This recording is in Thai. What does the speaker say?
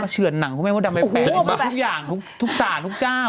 เชื่อนหนังทุกแม่มดดำถูกแปะทุกอย่างทุกสารทุกก้าว